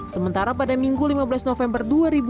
sementara pada minggu lima belas november dua ribu dua puluh